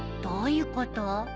どういうこと？